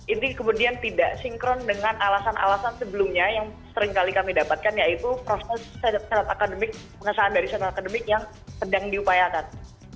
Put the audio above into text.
ini kemudian tidak sinkron dengan alasan alasan sebelumnya yang seringkali kami dapatkan yaitu proses akademik pengesahan dari sentra akademik yang sedang diupayakan